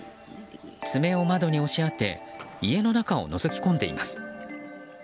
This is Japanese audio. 爪を窓に押し当て家の中をのぞき込んでいます。